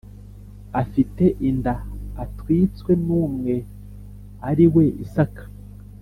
Afite inda atwitswe n umwe ari we isaka